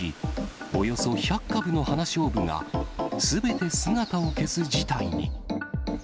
およそ１００株のハナショウブが、すべて姿を消す事態に。